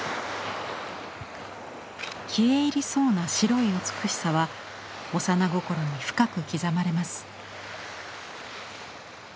消え入りそうな白い美しさは幼心に深く刻まれます。